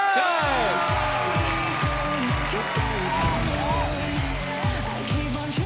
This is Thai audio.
เชิญ